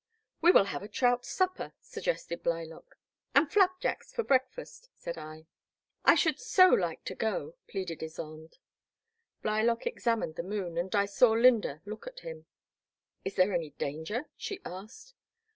We will have a trout supper," suggested Bly lock. *' And flap jacks for breakfast," said I. I should so like to go," pleaded Ysonde. Blylock examined the moon, and I saw Lynda look at him. Is there any danger ?" she asked.